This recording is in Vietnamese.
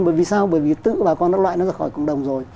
bởi vì sao bởi vì tự bà con nó loại nó ra khỏi cộng đồng rồi